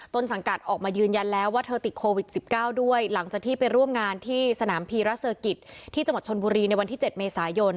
ต้นสังกัดออกมายืนยันแล้วว่าเธอติดโควิด๑๙ด้วยหลังจากที่ไปร่วมงานที่สนามพีรัสเซอร์กิจที่จังหวัดชนบุรีในวันที่๗เมษายน